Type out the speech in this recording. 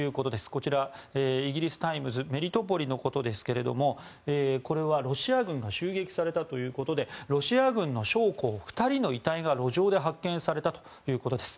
こちら、イギリスのタイムズメリトポリのことですがこれはロシア軍が襲撃されたということでロシア軍の将校２人の遺体が路上で発見されたということです。